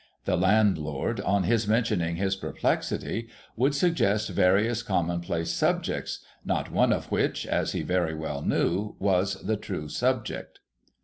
The landlord, on his mentioning his perplexity, would suggest various commonplace subjects, not one of which, as he very well knew, was the true subject.